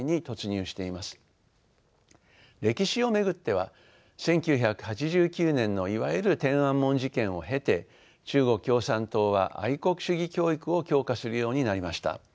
歴史を巡っては１９８９年のいわゆる天安門事件を経て中国共産党は愛国主義教育を強化するようになりました。